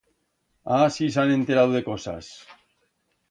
Ah, si s'han enterau de cosas!